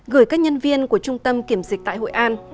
gửi các nhân viên của trung tâm kiểm dịch tại hội an